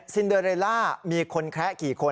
ซินเดอเรลล่ามีคนแคระกี่คน